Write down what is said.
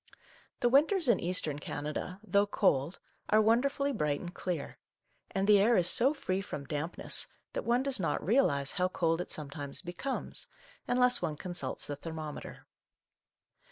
The winters in Eastern Canada, though cold, are wonderfully bright and clear, and the air is so free from dampness that one does Our Little Canadian Cousin 101 not realize how cold it sometimes becomes, unless one consults the thermometer.